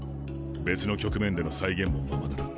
別の局面での再現もままならん。